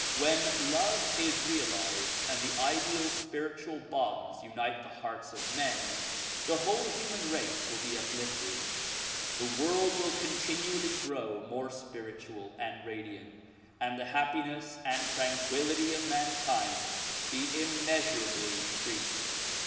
When love is realized and the ideal spiritual bonds unite the hearts of men, the whole human race will be uplifted, the world will continually grow more spiritual and radiant and the happiness and tranquillity of mankind be immeasurably increased.